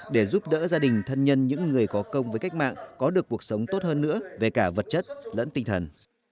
để giúp đỡ gia đình thân nhân những người có công với cách mạng có được cuộc sống tốt hơn nữa về cả vật chất lẫn tinh thần